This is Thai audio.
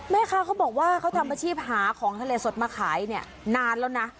แม่ค้าเขาบอกว่าเขาทำอาชีพหาของทะเลสดมาขายเนี่ยนานแล้วนะ